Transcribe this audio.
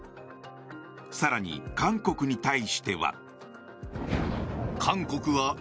更に、韓国に対しては。